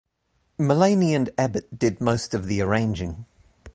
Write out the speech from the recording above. Mullaney and Abbott did most of the arranging.